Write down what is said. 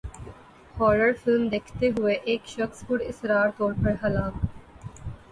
horror film دیکھتے ہوئے ایک شخص پراسرار طور پر ہلاک